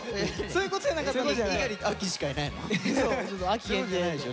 そういうことじゃないでしょ。